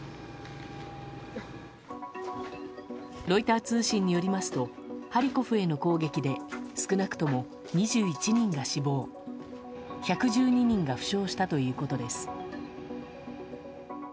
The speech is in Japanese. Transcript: ロイター通信によりますとハリコフへの攻撃で少なくとも２１人が死亡１１２人が負傷したということです。